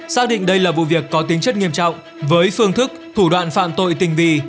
xác định đây là vụ việc có tính chất nghiêm trọng với phương thức thủ đoạn phạm tội tình vi